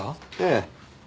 ええ。